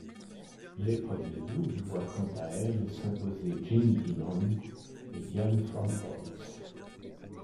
L'épreuve de double voit quant à elle s'imposer Jenny Dimond et Dianne Fromholtz.